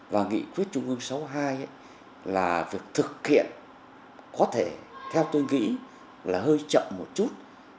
và nghị quyết trung ương sáu mươi hai là việc thực hiện có thể theo tôi nghĩ là hơi chậm một chút